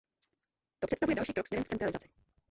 To představuje další krok směrem k centralizaci.